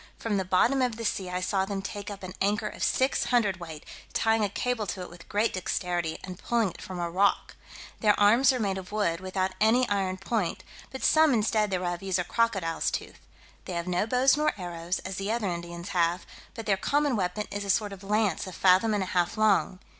From the bottom of the sea I saw them take up an anchor of six hundredweight, tying a cable to it with great dexterity, and pulling it from a rock. Their arms are made of wood, without any iron point; but some instead thereof use a crocodile's tooth. They have no bows nor arrows, as the other Indians have, but their common weapon is a sort of lance a fathom and a half long.